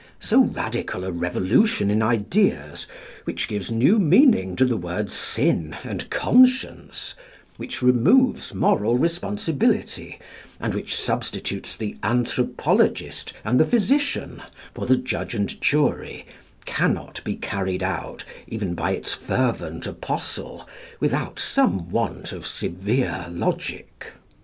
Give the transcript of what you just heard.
So radical a revolution in ideas, which gives new meaning to the words sin and conscience, which removes moral responsibility, and which substitutes the anthropologist and the physician for the judge and jury, cannot be carried out, even by its fervent apostle, without some want of severe logic.